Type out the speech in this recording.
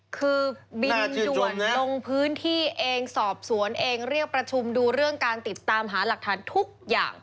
คือบินด่วนลงพื้นที่เองสอบสวนเองเรียกประชุมดูเรื่องการติดตามหาหลักฐานทุกอย่าง